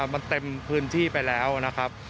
มันเต็มพื้นที่ไปแล้วนะครับ